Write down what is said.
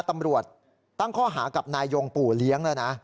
ตำรวจตั้งข้อหากับนายยงปู่เลี้ยงแล้วนะ